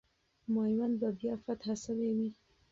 میوند به بیا فتح سوی وو.